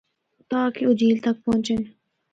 تاکہ او جھیل تک پُہچن۔